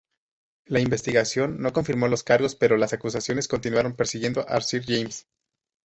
La investigación no confirmó los cargos, pero las acusaciones continuaron persiguiendo a Sir James.